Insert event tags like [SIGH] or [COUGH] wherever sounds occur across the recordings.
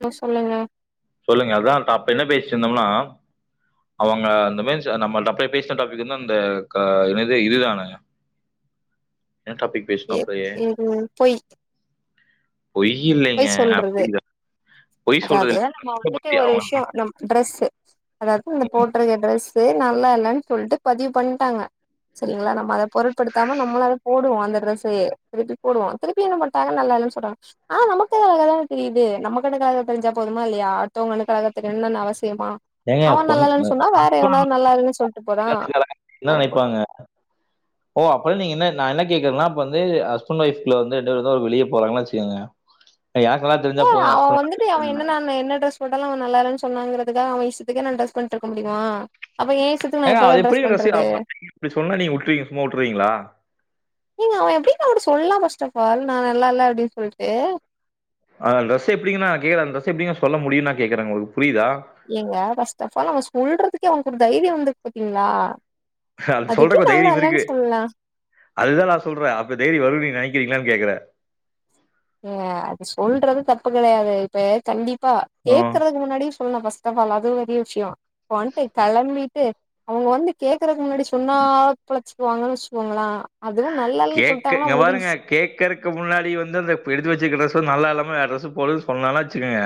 என சொல்லுங்க சொல்லுங்க அதான் டாப் என்ன பேசிருந்தோம்னா அவங்க அந்த ம நம்மளட்ட பேசின டாபிக் வந்து க என்து இதுதானே என்ன டாபிக் பேசணும் எப் அப்படியே உம் போய் பொய் இல்லைங்க பொய் அப்படிங்க சொல்றது பொய் தான். பொய் சொல்றது அதாவது இல்லைங்க. நம்ம அதை வந்துட்டு பத்தி ஒரு அவங்க விஷயம் நம் ட்ரெஸ்சு அதாவது போட்டிருக்க ட்ரெஸ் இதுவே நல்லா இல்லன்னு சொல்லிட்டு பதிவு பண்ணிட்டாங்க சரிங்களா நம்ம அத பொருட்படுத்தாம நம்லவே அத போடுவோம் அந்த டிரஸ்சு திருப்பி போடுவோம் திருப்பி என்ன பண்ட நல்லல்ல சொல்றாங் ஆஹ நமக்கு நல்லா தானே தெரியுது நம்ம கண்ணுகாக தெரிஞ்ச போதுமா இல்லையா அத்தவங்க கண்ணுகாக தெரியுனும் என்ன அவச தேமா ஏங்க அவன் நல்லான்னு பொண்ணு சொன்னா வேற ஹஸ்பண்ட் எவனாவது நல்லான்னு சொல்லிட்டு போறான் என்ன அத போட் நினைப்பாங்க ஓ அப்பறம் நீங்க என்ன நான் என்ன கேக்குறேன்னா இப்ப வந்து ஹஸ்பண்ட் ஓஃப் வந்து ரெண்டு பேரும் வெளிய போறான்ன வச்சக்கங்க ஏ அவன் வந்துட்டு அவன் என்ன நான் என்ன ட்ரெஸ் போட்டாலும் அவன் நல்லா இருன்னு சொன்னாங்கற ஏதோ அவன் இஷ்டத்துக்கே நான் ட்ரெஸ் பண்ணிட்டு இருக்க முடியுமா அப்ப ஏன் இஷ்டத்துக்கு ஏ நான் அது எப்பதான் எப்படி ட்ரெஸ் பண்றது [INAUDIBLE] சொன்னா நீங்க விட்டுவிங்க சும்மா விட்டுருவீங்களா நீங்க அவன் எப்படிபா உன்ட்ட சொல்லலாம் ஃபர்ஸ்ட் ஆஃப் ஆல் நான் நல்லா இல்ல அப்படின்னு சொல்டு அந்த ட்ரஸ் எப்படிங்கன்னா [INAUDIBLE] அந்த டிரஸ் எப்படிங்க சொல்ல முடியும் நான் கேக்குறேன் உங்களுக்கு புரியுதா எங்க பஸ்ட் ஆப் ஆல் அவ சொல்றது ங்க கூட தைரியம் வந்து பாத்தீங்களா அது எப்டி சொல்ற நல்லா தைரியம் இல்லன்னு இருக்கு சொல்லலாம் அதுதான் நான சொல்றேன் அப்ப தைரிய வரு நினைக்க இருகிங்களான்னு கேக்குற ஏ அது சொல்றது தப்பு கெடையாது இப்ப கண்டிப்ப பா ம். கேடக்குறக்கு முன்னாடி சொல்ம் பஸ்ட் இப்ப வல அது வெரிய விஷயம் வண்டே கிளம்பி அவங்க வந்து கேக்குறக்கு முன்னாடி சொன்னா பிழைச்சுக்குவாங்கன்னு வச்சுக்கோங்கலே கேக்க இங்கபாருங்க கேக்கறக்கு முன்னாடி வந்து அந்த இப்ப எடுத்து வச்சுக்க டரெஸ் நல்லா இல்லாம வேற டிரெஸ் போடுதுன்ன சொன்னச்சுக்கோங்க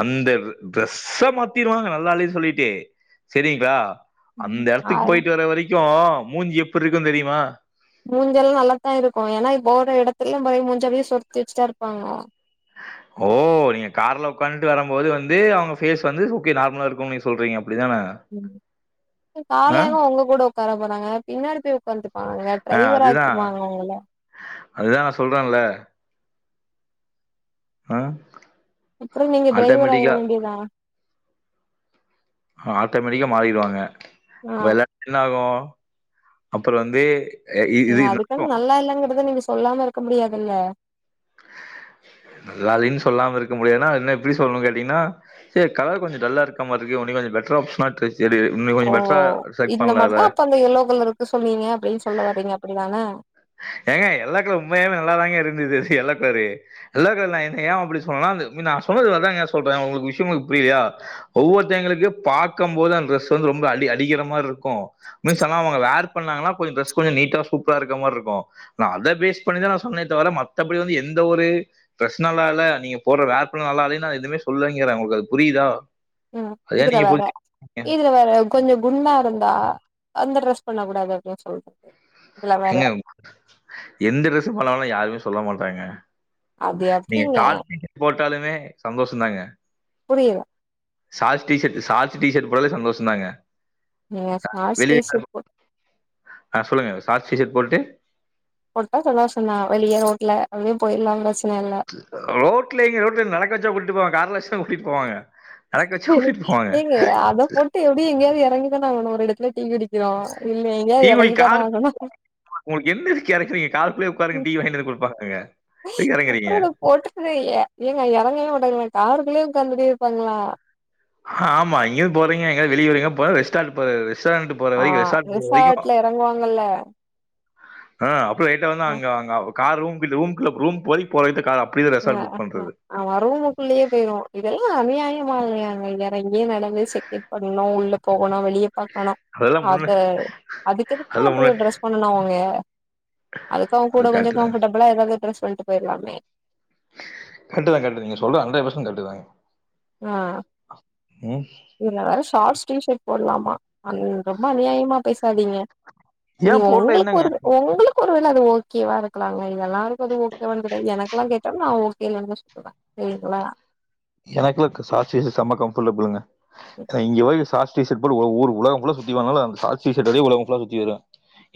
அந்த டரெஸ் மாத்திருவாங்க நல்லஇல்லனு சொல்லிட்டு சரிங்களா அந்த ம் ஆ இடத்துக்கு போயிட்டு வர வரைக்கும் மூஞ்சு எப்டி இருக்குன்னு தெரியுமா மூஞ்செல்லாம் நல்லாத்தான் இருக்கும் ஏன்னா இப்ப போற இடத்துலயும் போய் மூஞ்சாவையும் சுரத்தி வச்சுட்டா இருப்பாங்க ஓ நீங்க கார்ல உட்காந்துட்டு வரும்போது வந்து அவங்க பேஸ் வந்து ஓகே நார்மலா இருக்கும் சொல்றீங்க அப்படிதான? ஏன் ஆ, காலையிலா உங்க கூட ஒக்கார போறாங்க பின்னாடி போய் ஒக்காந்துப்பாங்க டிரைவரா ஆக்கிருவாங்க உங்கள அதுதா நா சொல்றேன்ல ஆ அப்பறோம் நீங்க டிரைவர் ஆயிட ஆட்டோமேட்டிக்கா வேண்டியதா ஆட்டோமேட்டிக்கா மாறிடுவாங்க ஆ அப்ப எல்லா என்னாகோ அப்பறோம் வந்து அ இ நீங்க இது அதுக்குன்னு நல்லா இல்லங்குறத நீங்க சொல்லாமயிருக்க முடியாதுல்ல நல்லாலின்னு சொல்லாமயிருக்க முடியாதுன்னா என்ன எப்டி சொல்லணோ கேட்டீங்கன்னா செரி கலர் கொஞ்சோ டல்லா இருக்கா மாதிரியிருக்கு உன்னோ கொஞ்சோ பெட்டரா பண்ணா ட்ரை இன்னு கொஞ்சோ ஓ இந்த மாரிதா அப்ப அந்த எல்லோ கலர்யிருக்கு சொன்னீங்க அப்டின்னு சொல்ல வரீங்க அப்டிதா [UNINTELLIGIBLE] ஏங்க எல்லோ கலர் உண்மயாவே நல்லாதாங்கயிருந்துது எல்லோ கலரு எல்லோக்கலர் நா ஏன் அப்டி சொன்னனா நா சொன்னது அதாங்க சொல்றே உங்களுக்கு விஷியோ கொஞ்சோ புரியலையா ஒவ்வொருத்தவங்களுக்கு பாக்கம்போது அந்த டிரெஸ் வந்து ரொம்ப அடி அடிக்குற மாரியிருக்கோ மீன்ஸ் ஆனா அவங்க வேர் பண்ணாங்கன்னா கொஞ்சோ ட்ரெஸ் கொஞ்சம் நீட்டா சூப்பராயிருக்க மாரியிருக்கோ இப்போ நா அத பேஸ் பண்ணிதா நா சொன்னனே தவிர மத்தபடி வந்து எந்த ஒரு பர்சனல்லாலா நீங்க போடுற வேர் பண்ணா நல்லா இல்லனு நா எதுவுமே சொல்லலேங்குறே உங்களுக்கு அது புரியுதா ம் அத ஏன் இதுல நீங்க வேற புரிஞ்சுக்க மாட்டேங்கிறீங்க? இதுல வேற கொஞ்சம் குண்டாயிருந்தா அந்த ட்ரெஸ் பண்ணக் கூடாது அப்டீன்னு சொல்றேன் ஏங்க எந்த ட்ரெஸ் போட்டாலும் யாருமே சொல்ல மாட்டாங்க அது நீங்க எப்டிங்க கால் துக்கி போட் டாலுமே சந்தோஷோதாங்க புரியல சாக்ஸ் டீஷர்ட் சாக்ஸ் டீஷர்ட் போட்டாலுமே சந்தோஷம் தாங்க நீங்க சாக்ஸ் டீஷர்ட் போட் ஆஹ் சொல்லுங்க சாக்ஸ் டீஷர்ட் போட்டுட்டு போட்டா சந்தோஷம் தான் வெளிய ரோட்ல அப்டியே போயிடலாங்குற ரோட்லைங்க ரோட்ல என்ன நடக்கவெச்சா கூட்டிட்டு போவேன் கார்ல வெச்சு கூட்டிட்டு போவாங்க நடக்க வச்சா கூட்டிட்டு போவாங்க ஏங்க அத போட்டு எப்டி எங்கயாவது எறங்கி எங்க நான் ஒரு எடத்துல டீ வெடிக்கலாம் டீ வாங்கி கார்க்கு என்ன கேரெக்டரு நீங்க கார் குள்ளயே ஒக்காருங்க டீ வாங்கினு வந்து குடுப்பாங்கங்க அப்புறம் அத போட்டுகவே இல்ல ஏங்க எறங்கவே விடல கார் குள்ளயே ஒக்காந்துட்டேயிருப்பாங்களா ஆஹா ஆமா எங்கயாவது போரீங்க எங்கயாவது வெளியகிளிய போறீங்க ரெஸ்டாரண்ட் ரெஸ்டாரண்ட் போற வரைக்கும் ஆஹ் ரெஸ்டாரண்ட் போற ரிசார்ட்ல இறங்குவாங்கல்ல ஆஹ் அப் ஸ்ட்ரைட்டா வந்து அங்க அங்க கார் ரூம் பில் ரூம்குள்ள ரூம் போய் போய்ட்டு கார் அப்படியே ரெஸ்டாரண்ட் புக் பண்றது ஆஹ் ரூமக்குள்ளேயே பொய்ருவோம் இதெல்லாம் அநியாயம் இல்லையா இறங்கி நடந்து செட்டில் பண்ணனும் உள்ள போகணும் வெளியே பாக்கணும் அதெல்லாம் அத முன்ன அதுக்கு எது அதெல்லாம் அப்டி முன்னாடி ஒரு ட்ரெஸ் பண்ணனும் அவுங்க அதுக்கு அவுங்க அது கூட கொஞ்சம் கரெக்டு தான் கம்ஃபர்டபுளா ஏதாவது ட்ரெஸ் கொண்ட்டு போயிடலாமே கரெக்ட்டு தான் கரெக்ட்டு தான் நீங்க சொல்றது ஹண்ட்ரெட் பெர்சென்ட் கரெக்ட்டு தாங்க ஆஹ் உம் இதுல வேற ஷார்ட்ஸ் டீஷர்ட் போடலாமா அது ரொம்ப அநியாயமா பேசாதீங்க நீ ஏன் போட்டோ உங்களுக்கு என்னங்க ஒரு உங்களுக் ஒருவேளை அது ஓகேவா இருக்கலாங்க இது எல்லாருக்கும் அது ஓகேவானு கேட்டா கிடையாது எனக்கெல்லாம் கேட்டா நான் ஓகே இல்லனு தான் சொல்லுவேன் செரிங்களா எனக்குள்ள ஷார்ட்ஸ் சம்ம கம்ஃபர்டபிள்ங்க இங்க வர ஷார்ட்ஸ் டி ஷார்ட் போட்டு ஊர் உலகம் ஃபுல்லா சுத்தி வந்தாலும் ஷார்ட்ஸ் டி ஷர்ட் லே உலகம் ஃபுல்லா சுத்தி வருவேன்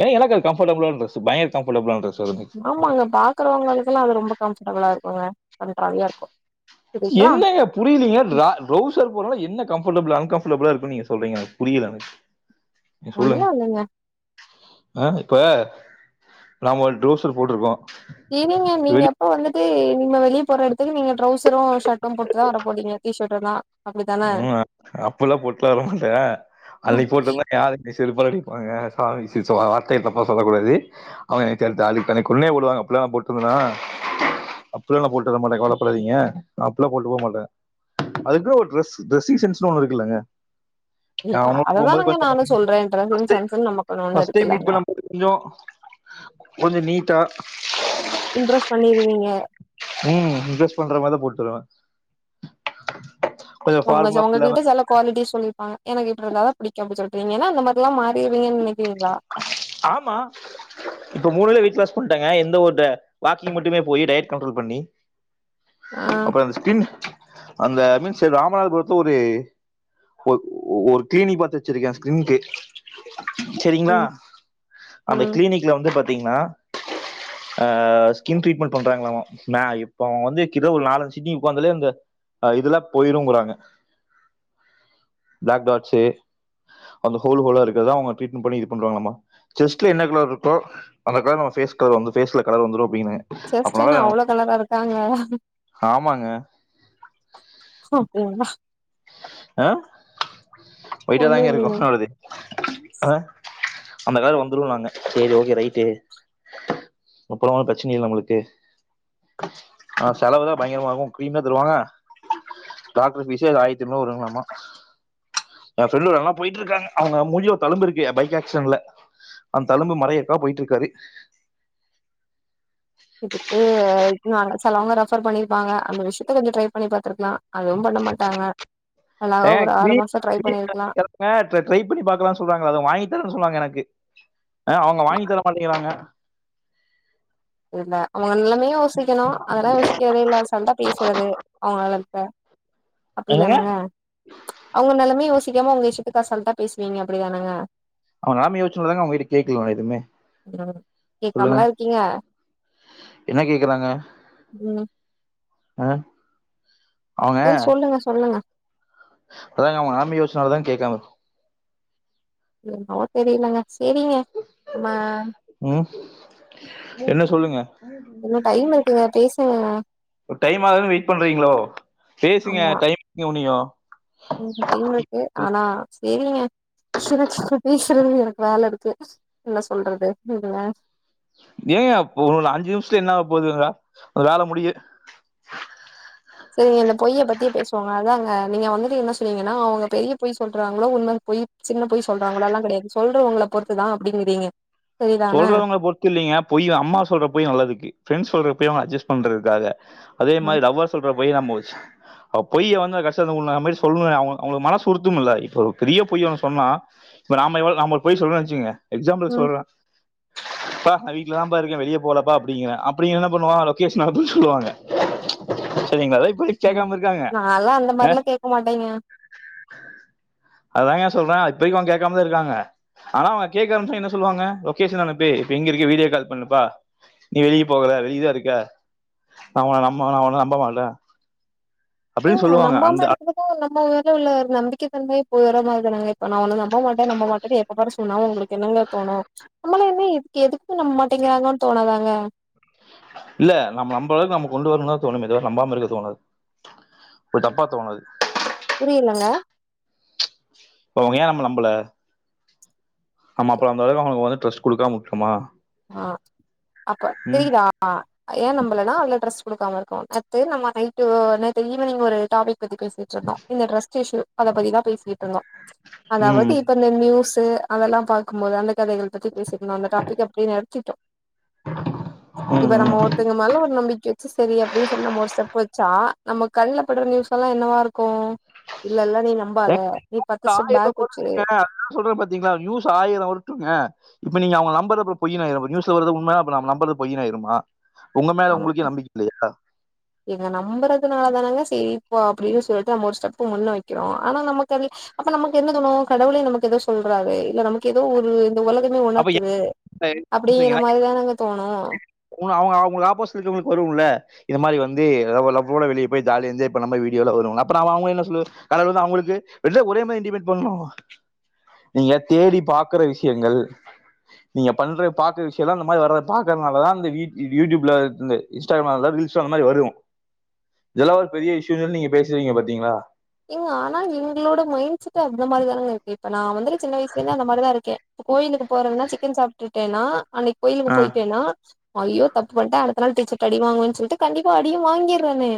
ஏன்னா எனக்கு அது கம்ஃபர்டபிள்லான டிரஸ் பயங்கர கம்ஃபர்ட்பிள்லான டிரஸ் ஆமாங்க பாக்குறவங்களுக்கெல்லாம் அது ரொம்ப கம்ஃபர்டபிளா இருக்கும் போங்க கண்டராவிய இருக்கும் என்னங்க புரியலீங்க டிரா டிரவுசர் போடுரவன் என்ன கம் அன் கம்ஃபர்டபிள்லா இருக்கும் நீங்க சொல்றீங்க புரியல எனக்கு ஒண்ணுல்லா இல்லைங்க. ஆஹ இப்ப நம ட்ரவுசர் போட்ருக்கோ. இருங்க நீங்க எப்ப வந்து. ட்டு. நீங்க வெளிய போற இடத்துக்கு நீ ட்ரவுசரு ஷர்ட்டும் போட்டுதா வர போறீங்க டி ஷார்ட். அப்புறோ நா. உஹம் அப்பல்லா போட்டுல்லா வரமாட்ட அன்னிக்கு போட்டமாரி யாருனே. செருப்பால அடிப்பாங்க சாமி சி வாத்தைகல்ல தப்பா சொல்லக்கூடாது. [UNINTELLIGIBLE] கொன்னே போடுவாங்க அப்படியெல்லா போட்டு வரமாட்ட கவல படாதீங்க அப்டிலா போட்டு போக மாட்ட அதுக்கு. ட்ரெஸ் ட்ரெஸ்ஸிங்சென்ஸ்னு ஒன்னு இருக்குல்லங்க. இல்ல அவங்களுக்கு போகும்போது அததானங்க நானு சொல்றே ட்ரெஸ்ஸிங் சென்ஸ்ன்னு நமக்குன்னு ஒண்ணு பஸ்ட்டைம் மீட் இருக்குல்லங்க பண்ணும்போது கொஞ்சோ கொஞ்சோ நீட். தா. இம்ப்ரஸ் பண்ணிருவீங்க. ம் இம்ப்ரஸ் பண்ற மாரிதா போட்டு வருவ. உங்க ஃபார்மலா இல்லாம உங்ககிட்ட சில குவாலிட்டிஸ் சொல்லிருப்பாங்க. எனக்கு இப்டியிருந்தாதா புடிக்கு அப்டி சொல்ட்டு என்ன நீங்க அந்த மாரிலா மாத் ஆமா இப்ப மூணுல வெயிட்லாஸ். பன்ட்டங்க எந்த ஒரு வாக்கிங் மட்டுமே போய் டயட் கண்ட்ரோல் பண்ணி. ஆ அப்புறோ இந்த ஸ்கிரீன். அந்த மீஸ் ராமநாதபுரத்துல ஒரு ஒரு கிளீனிக் பாத்து வச்சிருக்க ஸ்கின்க்கு. [INAUDIBLE] செரிங்களா. ம் அந்த ம் கிளினிக்ல வந்து பாத். டிங்ன்னா ஆஹ ஸ்கின் டிரீட்மன்ட் பண்றாங்களாமா நா இப்போ வந்து கிட்ட நாலு அஞ்சு சிட்டிங் [UNINTELLIGIBLE] அந்த இதுல்லா போயிருங்குறாங்க. பிளேக் டாட்ஸ்சு அந்த ஹோல் ஹோல்லா இருக். இதுதா அவங்க ட்டிரீட்மன்ட் பண்ணி இது பண்றாங்களாமா. ஜெஸ்ட்ல என்ன கலர் இருக்கோ அந்த கலர் நம்ம பேஸ் கலர் வந்து பேஸ்ல. ஜெஸ்டென்ன அவ்வளோ கலரா இருக்காங்க. ஆமாங்க எம்மா. அஹ ஒயிட்டா ஒண்ணு தாங்க இருக்கு இல்லைங்க என்னோடது அஹ. அந்த கலரு வந்து நாங்க சேரி ஓக்கே நைட்டு. அப்புறோ பிரச்சனை இல்ல உங்களுக்கு ஆஹ செலவுதா பயங்கரமா இருக்கு கிரீம்தா தருவாங்க டாக்டர் பீஸ்சே ஆயிரத். எட்னூறு வருங்களாமா. எ ஃப்ரெண்டோடல்லா போயிட்டு இருக்காங்க அவங்க மூஞ்சில தழும்பு இருக்கே பைக் ஆக்சிடென்ட்ல. அந்த தழும்பு மறையறக்காக போயிட்டு இருக்காரு. இதுக்கு சிலவங்க ரெஃபர் பண்ணிருப்பாங்க அந்த விஷயத்த கொஞ்சோ ட்ரை பண்ணி பாத்துருக்கலா அதுவு பண்ண மாட்டாங்க. அழகா ஏ ஒரு ஆறு மாசோ ட்ரை [UNINTELLIGIBLE] பண்ணிருக்கலா ட்ரை பண்ணி பாக்கலாம்னு சொல்றாங்கள அத வாங்கி தரன்னு சொன்னாங்க எனக்கு. ஆ அவங்க வாங்கிதர மாட்டேங்கிறாங்க. இல்ல அவங்க நல்லமையு யோசிக்கணு அதெல்லா யோசிக்கரதே இல்ல [UNINTELLIGIBLE] பேசுறது அவங்கள. ள. என்னங்க அப்படித்தானங்க. ம்ச் அவங்க நெலமையு யோச். தெரியாம உங்க இஷ்டத்துக்கு அசால்டா பேசுவீங்க அப்படிதானங்க அவன் நிலமைய வச்சுதாங்க அவங்ககிட்ட கேக்கல எதுவுமே ம் சொல்லுங்க கேக்காமலா இருக்கீங்க என்ன கேக்குறாங்க ம் ஆஹ் ஏய் சொல்லுங்க சொல்லுங்க அதாங்க அவ நிலமைய யோசிசனாலதான் கேட்காம எண்ணமெ தெரியலங்க சேரிங்க உம் என்ன சொல்லுங்க இன்னு டைம் இருக்குங்க பேசுங்கங்க டைம் ஆகுது வெயிட் பண்றீங்களோ பேசுங்க டைனும் உம் டைம் இருக்கு ஆனா செரிங்க சிருதீஸ்வர எனக்கு வேலை இருக்கு என்ன சொல்றது நீங்கள ஏன் உ அஞ்சு நிமிஷத்துல என்ன போகுது வேலை முடியும் சேரிங்க இந்த பொய்யை பத்தி பேசுவாங்க அதான் அங்க நீங்க வந்துட்டு என்ன சொன்னீங்கன்னா அவங்க பெரிய பொய் சொல்றாங்களோ உண்மைன் பொய் சின்ன பொய் சொல்றாங்களோ எல்லாம் கிடையாது சொல்றவங்கள பொறுத்துதான் அப்படிங்கிறீங்க சொல்றவங்கள பொறுத்து இல்லலைங்க அம்மா சொல்ற போய் நல்லதுக்கு பிரெண்ட்ஸ் சொல்ற இப்பே அட்ஜஸ் பண்றத்துகாக அதே ம் மாரி லவ்வர் சொல்ற பொய் ந போச்சு அ பொய்ய வந்து கஷ்ட உங்களுக்கு அந்த மாரி சொல்லுங்க அவுங்களுக்கு மனச உறுத்தும் இல்ல இப்ப ஒரு பெரிய பொய் அவனு சொன்னா இப்ப நாமவள நம்ம ஒருபொய் சொல்லும் நினைச்சோங்க எக்ஸாம்பிள் ம் சொல்லலாம் எப்பா நான் வீட்டுலதான் பா இருக்கேன் வெளியே போலப்பா அப்படிங்கறேன் அப்படிங்க என்ன பண்ணுவா லொகேஷன் அனுப்பு சொல்லுவாங்க சரிங்களா அதான் இப்போ வரைக்கும் உம் கேட்காம இருக்காங்க நாலாம் அந்த மாரிலாம் கேட்க மாட்டேங்க அதுதான்ங்க சொல்றேன் இப்பரைக்கும் அவங்க கேட்காமதான் இருக்காங்க ஆனா அவுங்க கேக்குற நிமிசத்துல என்ன சொல்லுவாங்க லொகேஷனுப்பே இப்ப எங்க இருக்க வீடியோ கால் பண்ணுப்பா நீ வெளியே போகல வெளியதான் இருக்க நான் உன நம நான் உனும் நம்ப மாட்டேன் அப்படின்னு எங்க சொல்லுவாங்க நம்மாம அந்த எடுக்கறத நம்ம இல்ல உள்ள ஒரு நம்பிக்கை தன்மை போற மாரி தானங்க இப்ப நா ஒன்ன நம்பமாட்டே நம்ம மாட்டேன்னு எப்பாரு சொன்னாலும் உங்களுக்கு என்னங்க தோணும் நம்மள என்ன இதுக்கு எதுக்கு நம்ப மாட்டேங்கிறாங்கன்னு தோணாதாங்க இல்ல நம்ம நம்பம அளவுக்கு நம்ம கொண்டு வரணும்தா தோணுமே தவிர எ நம்பாம இருக்க தோணாது ஒரு தப்பா தோணாது புரியலங்க அவுங்க ஏன் நம்ம நம்பல ஆமா அப்புலம் அந்த அளவு அவுங்களுக்கு வந்து ட்ரஸ்ட் கொடுக்காமவுட்டுடோமா ஆஹ் அப்ப தெரியுதா ஏன் நம் இல்லனா அவங்க ட்ரெஸ் கொடுக்காம இருக்களாம் நேத்து நம்ம நைட்டு ந ஈவினிங் ஒரு டாபிக் நேத்திபேசிவச்சிருந்தேம் இந்த ட்ரெஸ்ட் இஷ்யூ அதை பத்திதான் பேசிட்டு இருந்தோம் அதாவது ம் இப்ப இந்த நியூஸ்சு அதெல்லாம் பாக்கும்போது அந்த கதைளை பற்றி பேசிருந்தோமா அந்த டாப்பிக் [UNINTELLIGIBLE] இப்ப ம் நம்ம ம் ஒருத்தவுங்க மேல ஒரு நம்பிக்கை வச்சு சேரி அப்படின்னு சொல்லி நம்ம ஸ்டெப் வச்சா நம்ம கண்ணுலபடுற நியூஸ் எல்லாம் என்னவா இருக்கும் இல்லல்ல [UNINTELLIGIBLE] சொல்ற பாத்தீங்களா நியூஸ் ஆயிரம் வரட்டுங்க இப்ப நீங்க நம்பரது பொய்ஆயினும் நியூஸ் வரது உண்ம ந நம்புறது பொய் ஆயிருமா உங்க மேல உங்களுக்கே நம்பிக்கை இல்லையா எங்கள நம்புறதுனால தானங்க சேரிப்பா அப்படின்னு சொல்ட்டு நம்ம ஒரு ஸ்டெப் முன்ன வைக்கிறோம் ஆனா நமக்கு அப்ப நமக்கு என்ன தோணும் கடவுளே நமக்கு ஏதோ சொல்றாரு இல்ல நமக்கு ஏதோ ஒரு இந்த உலகமே அப்ப உணர்த்துது எனக்கு அப்படின்இன எனக்கு மாரிதான் தோணும் உங்க- அவங்க அவங்களுக்கு ஆப்போசிட் இருக்கவங்களுக்கு வரும்ல இந்த மாரி வந்து லவ்டோ வெளிய போய் ஜாலியா என்ஜாய் பண்ணாம வீடியோல வரும் அப்போ நான் அவங்க என்ன சொல்லு அடவுட்ரா அவுங்களுக்கு ஒரே மேரி இன்டிமென்ட் பண்ணோம் நீயே தேடி பாக்கற விஷயங்கள் நீங்க பண்ற பாக்குற விஷயம் அந்த மாதிரி வ பாக்கறதுனாலதான் அந்த யூடியூப்ல இன்ஸ்டாகிராம் ரீல்ஸ் அந்த மாதிரி வரும் இதெல்லாம் ஒரு பெரிய விஷ்யம் நீங்க பேசுறீங்க பாத்தீங்களா ங்க ஆனா இவங்களோட மைண்ட் செட் அந்த மாதிரி தானங்க இருக்கு இப்ப நான் வந்துட்டு சின்ன வயசுல இருந்து அந்த மாதிரி தான் இருக்கேன் கோயிலுக்கு போறேன்னா சிக்கன் சாப்பிட்டுட்டேன்னா அன்னைக்கு கோயிலுக்கு போயிட்டேன்னா ஐயோ தப்பு பண்டேன் அடுத்த நாள் டீச்சர்ட் அடி வாங்குவன்னு சொல்லிட்டு கண்டிப்பா அடியும் வாங்கிறேனே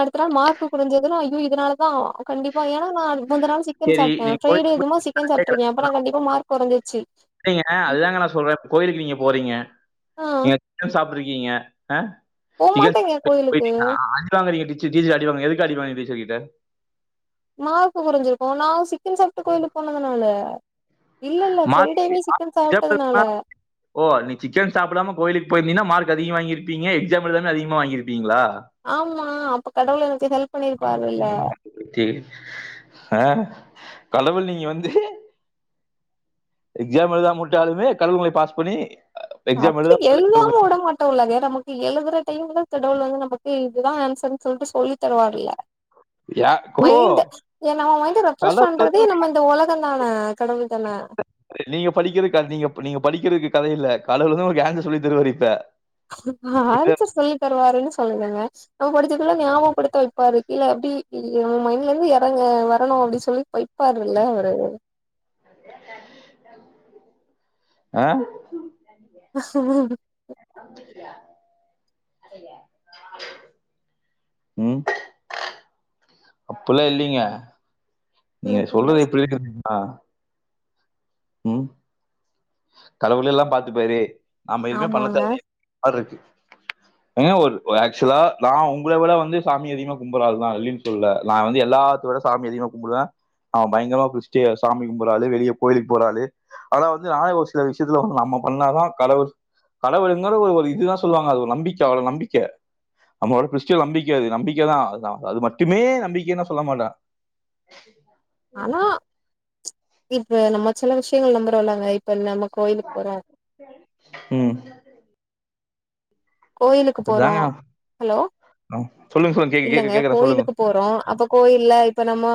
அடுத்த நாள் மார்க் கொறஞ்சதுன்னா ஐயோ இதனால வா கண்டிப்பா ஏன்னா நான் அதுக்கு முந்தன நாள் சிக்கன் சரி சாப்பிட்டேன் நீங்க ஃப்ரைடே கோயிலுக்கு போய் அதுமா சிக்கன் சாப்பிட்டுற்கேன் அப்பனா கண்டிப்பா மார்க் குறைஞ்சிச்சு இல்லையிங்க அதுதா நா சொல்றேன் கோயிலுக்கு நீங்க போறீங்க ஆ [UNINTELLIGIBLE] சாப்பிருக்கீங்க ஹன் போமாட்டேங்க கோயிலுக்கு [UNINTELLIGIBLE] அடிவாகினிங்க எதுக்கு அடிவாங்கினிங்க டிச்செர் கிட்ட மார்கு குறைஞ்சிருக்கும் நா சிக்கன் சாப்ட்டு கோயிலுக்கு போனதுனாலே மாட்டி ஹ ஏப் சாப்ட்டதுனால ஓ நீ சிக்கன் சாபிடாம கோயிலுக்கு போயிருந்தினா மார்க் அதிகம வாங்கிருப்பிங்க எக்ஸாம் எழுதலன அதிகமா வாங்கியிருப்பிங்களா ஆம்மா அப்ப கடவுள் எனக்கு ஹெல்ப் அப்போ, பண்ணிருப்பாருளே சரி. கடவுள் நீங்க வந்து எக்ஜாம் எழுதாமவுட்டலுமே கடவுள் உங்கள பாஸ் பண்ணி எக்ஸாம் அப்ப எழுதாம விட்டாலே கடவுளை எழுதாஉடமாட்டோயில்லக நமக்கு எழுதுற டைம்யுல த் டவுல் நமக்கு இதுதா ஹன்சர்யின்டு சொல்ட்டு சே ஹ சொல்லியிதரு வரயில்ல யா கோ மைனட் ஏ நா வந்து ரெப்ரெஷ் கடவுள் வந்து பண்றதே உங்களுக்கு நம்ம இந்த உலகம் தான தான கடவுள் தான நீங்க படிக்கிறதிங்ககா நீங்க நீங்கப் படிக்கிறதுக்கு கதயில்ல கடவுள்வந்து யார்னு சொல்லி தருவார் இப்ப ஹஆன்சர் சொல்லித் ன்னுவாறுனு சொல்லலுங்க நம்ம படிச்சக்குள ஞாபகபடுத்தயிருப்பாரு இல்ல அப்படி இல்ல ஏ மைண்டலயிருந்து யறவது வரணும் அப்படின்னு சொல்லி வைப்பாரு இல்ல அவரு ஹ [UNINTELLIGIBLE] உம் அப்பயில்லாம் இல்லிங்க நீங்க சொல்றது எப்படி இருந்ததுனா உம் கடவுளே எல்லா பாத்து பாரு நாம்ம எதுவுமே பண்ண ஆமாங்க தேவையில்லையாருக்கு ஏங்க ஒரு ஆக்சுலா நான் உங்கள விட வந்து சாமி அதிகமா கும்புற ஆளு தான் இல்லின்னு சொல்லல நான் வந்து எல்லாத்தியுட சாமி அதிகமா கும்பிடுவேன் நான் பயங்கரமா குஸ்டியா சாமி கும்புற ஆளு வெளிய கோயிலுக் போற ஆளு அதாவுது நானே வந்து ஒரு சில விஷியத்துல வந்து நம்ம பண்ணாதா கடவுள் கடவுயிருதாலும் அது ஒரு இதுதான் சொல்லுவாங்க அது ஒரு நம்பிக்கை அவ்ளோ நம்பிக்க நம்ளோட கிறிஸ்ட நம்பிக்கை அது நம்பிக்கை தான் அது மட்டுமே நம்பிக்கைனு எல்லாம் சொல்ல மாட்டேன் ஆனா இப்ப நம்ம சின்ன விஷயங்கள் நம்புறோம்லங்க இப்ப நம்ம கோயிலுக்கு போறோம் ம் கோயிலுக்கு அதுதாங்க போறோம் ஹலோ ஆ. சொல்லுங்க சொல்லுங்க கேக்க இல்லங்க கேக்க கேக்குறேன் சொல்லுங்க கோயிலுக்கு போறோம் அப்ப கோயில இப்ப நம்ம